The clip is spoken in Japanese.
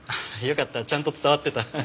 よかったちゃんと伝わってた。